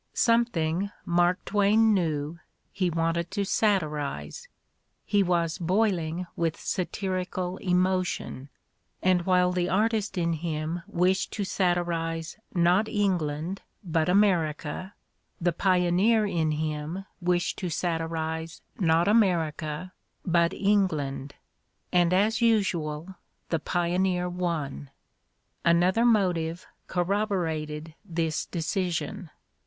Something, Mark / Twain knew, he wanted to satirize — he was boiling with ' satirical emotion; and while the artist in him wished \J to satirize not England but America, the pioneer in him ' wished to satirize not America but England. And as usual the pioneer won. Another motive corroborated this decision.